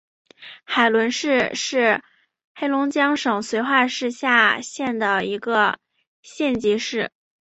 海伦市是黑龙江省绥化市下辖的一个县级市。